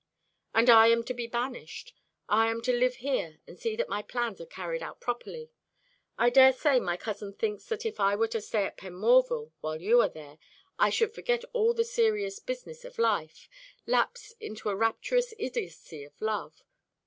"And I am to be banished. I am to live here and see that my plans are carried out properly. I daresay my cousin thinks that if I were to stay at Penmorval while you are there I should forget all the serious business of life; lapse into a rapturous idiotcy of love.